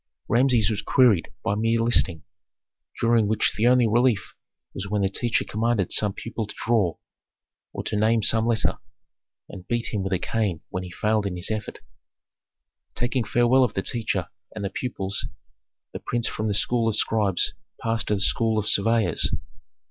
Rameses was wearied by mere listening, during which the only relief was when the teacher commanded some pupil to draw, or to name some letter, and beat him with a cane when he failed in his effort. Taking farewell of the teacher and the pupils, the prince from the school of scribes passed to the school of surveyors.